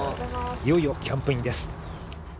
いよいよキャンプインです。